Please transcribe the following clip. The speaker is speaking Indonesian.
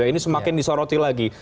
ini semakin disoroti lagi